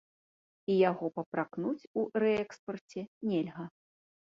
І яго папракнуць у рээкспарце нельга.